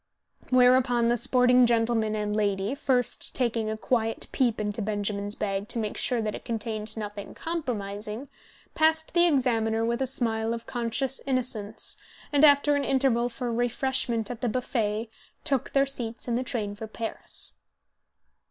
Whereupon the sporting gentleman and lady, first taking a quiet peep into Benjamin's bag to make sure that it contained nothing compromising, passed the examiner with a smile of conscious innocence, and, after an interval for refreshment at the buffet, took their seats in the train for Paris.